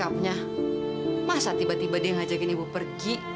masa tiba tiba dia ngajakin ibu pergi